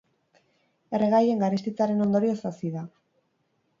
Erregaien garestitzearen ondorioz hazi da.